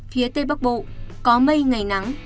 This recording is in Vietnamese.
phía tây bắc bộ có mây ngày nắng